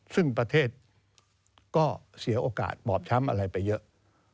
ซึ่งประเทศก็เสียโอกาสบอบช้ำอะไรไปเยอะ